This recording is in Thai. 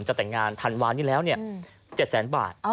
จะแต่งงานทันวันนี้แล้วเนี่ย๗๐๐๐๐๐บาท